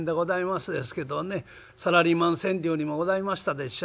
サラリーマン川柳にもございましたでしょ。